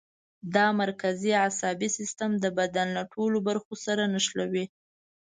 دا مرکزي عصبي سیستم د بدن له ټولو برخو سره نښلوي.